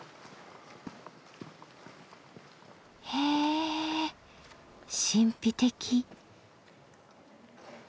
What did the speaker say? へぇ神秘的。